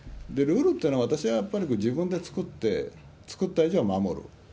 ルールというのは、私はやっぱり自分で作って、作った以上は守る。